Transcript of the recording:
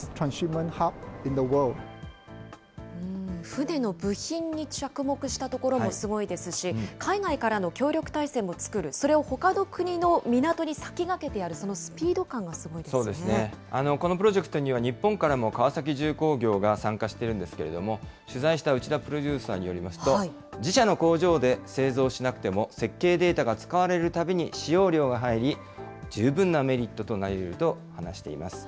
船の部品に着目したところもすごいですし、海外からの協力体制も作る、それをほかの国の港に先駆けてやる、このプロジェクトには、日本からも川崎重工業が参加しているんですけれども、取材した内田プロデューサーによりますと、自社の工場で製造しなくても、設計データが使われるたびに使用料が入り、十分なメリットとなりうると話しています。